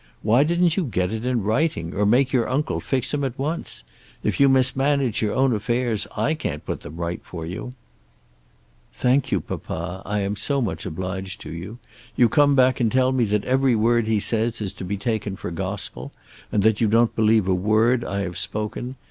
Why didn't you get it in writing, or make your uncle fix him at once? If you mismanage your own affairs I can't put them right for you." "Thank you, papa. I am so much obliged to you. You come back and tell me that every word he says is to be taken for gospel, and that you don't believe a word I have spoken.